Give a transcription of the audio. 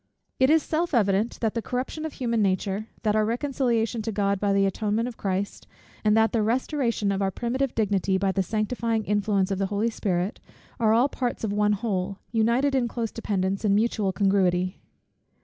It is self evident, that the corruption of human nature, that our reconciliation to God by the atonement of Christ, and that the restoration of our primitive dignity by the sanctifying influence of the Holy Spirit, are all parts of one whole, united in close dependence and mutual congruity.